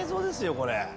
これ。